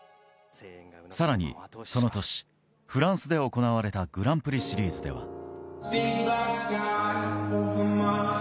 さらにその年、フランスで行われたグランプリシリーズでは。